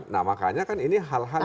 nah makanya kan ini hal hal